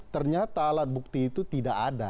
ternyata alat bukti itu tidak ada